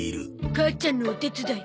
母ちゃんのお手伝い。